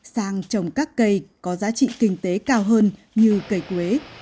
sang trồng các cây có giá trị kinh tế cao hơn như cây quế